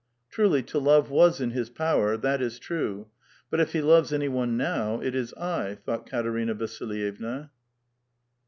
Truly, to love was in his power ; that is true. But if he loves any one now, it is I," thought Katerina Vasilvevua.